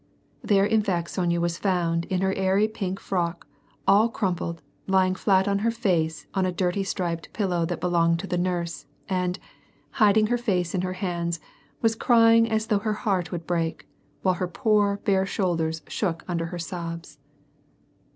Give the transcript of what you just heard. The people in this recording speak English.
There in fact Sonya was found in her airy pink frock, all crumpled, lying flat on her face on a dirty striped pillow that belonged to the nurse, and, hiding her face in her hands, was crying as though her heart would break, while her poor, bare shoulders shook under her sobs.